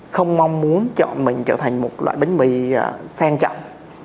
không mong muốn chọn mình trở thành một loại bánh mì sang trọng